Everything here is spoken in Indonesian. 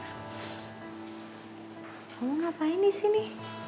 kamu ngapain di sini